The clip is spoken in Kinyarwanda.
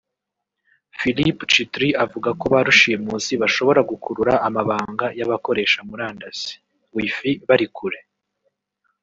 Filip Chytry avuga ko ba rushimusi bashobora gukurura amabanga y’abakoresha murandasi (Wi-Fi) bari kure